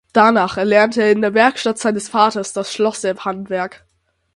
Danach erlernte er in der Werkstatt seines Vaters das Schlosserhandwerk.